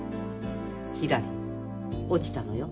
ひらり落ちたのよ。